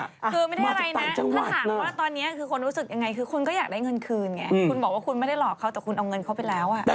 คือไม่ได้อะไรนะถ้าถามว่าตอนนี้คือคนรู้สึกยังไงคือคุณก็อยากได้เงินคืนไงคุณบอกว่าคุณไม่ได้หลอกเขาแต่คุณเอาเงินเขาไปแล้ว